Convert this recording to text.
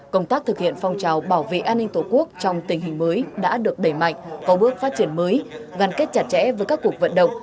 công tác thực hiện phong trào bảo vệ an ninh tổ quốc trong tình hình mới đã được đẩy mạnh có bước phát triển mới gắn kết chặt chẽ với các cuộc vận động